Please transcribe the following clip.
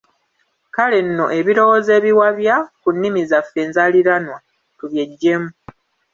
Kale nno ebirowoozo ebiwabya ku nnimi zaffe enzaaliranwa tubyeggyemu.